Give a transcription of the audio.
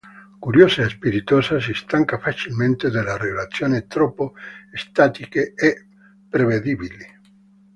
Curiosa e spiritosa, si stanca facilmente delle relazioni troppo statiche e prevedibili.